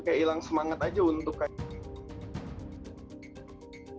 kayak hilang semangat aja untuk kayak